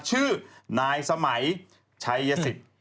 ชื่อนายสมัยชัยยศิษย์